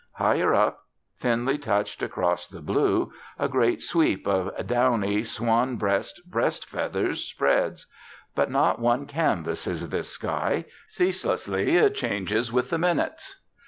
Higher up, thinly touched across the blue, a great sweep of downy, swan breast breast feathers spreads. But not one canvas is this sky; ceaselessly it changes with the minutes.